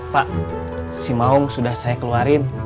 pak si maung sudah saya keluarin